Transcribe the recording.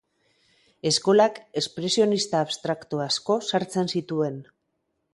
Eskolak espresionista abstraktu asko sartzen zituen.